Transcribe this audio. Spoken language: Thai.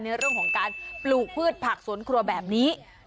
ในเรื่องของการปลูกพืชผักสวนครัวแบบนี้